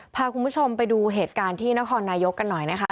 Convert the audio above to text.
พาคุณผู้ชมไปดูเหตุการณ์ที่นครนายกกันหน่อยนะคะ